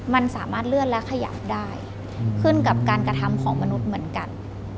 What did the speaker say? มันสามารถเลื่อนและขยับได้ขึ้นกับการกระทำของมนุษย์เหมือนกัน